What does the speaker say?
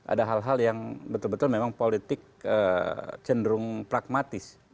ada hal hal yang betul betul memang politik cenderung pragmatis